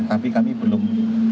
tapi kami belum